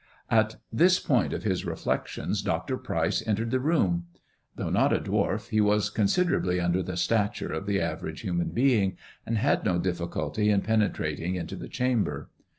At this point of his reflections Dr. Pryce entered the room. Though not a dwarf, he was considerably under the stature of the average human being, and had no difficulty in penetrating into the chamber.